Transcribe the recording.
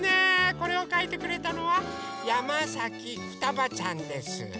これをかいてくれたのはやまさきふたばちゃんです。